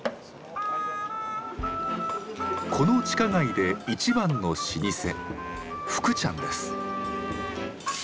この地下街で一番の老舗「福ちゃん」です。